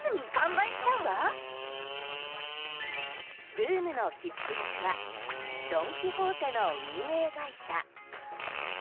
ブームの火付け役はドン・キホーテの運営会社。